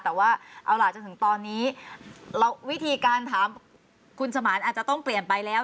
แต่ว่าเอาล่ะจนถึงตอนนี้วิธีการถามคุณสมานอาจจะต้องเปลี่ยนไปแล้ว